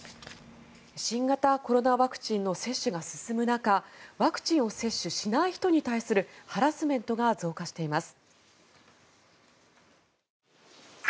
新型コロナワクチンの接種が進む中ワクチンを接種しない人に対するハラスメントが増加しています。